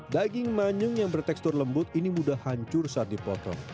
daging manyung yang bertekstur lembut ini mudah hancur saat dipotong